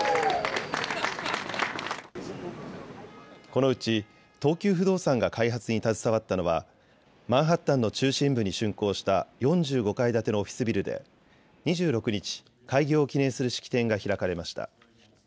このうち東急不動産が開発に携わったのはマンハッタンの中心部にしゅんこうした４５階建てのオフィスビルで２６日、開業を記念する式典が開かれました。